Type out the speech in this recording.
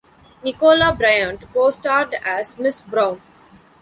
Nicola Bryant co-starred as "Miss Brown".